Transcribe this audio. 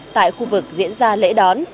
tại khu vực diễn ra lễ đón